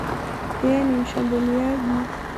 Yeye ni mshambuliaji.